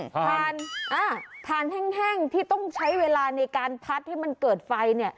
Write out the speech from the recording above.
ทานอ้าวทานแห้งที่ต้องใช้เวลาในการพัดให้มันเกิดไฟ